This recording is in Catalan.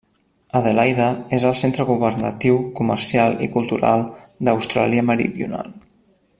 Adelaida és el centre governatiu, comercial i cultural d'Austràlia Meridional.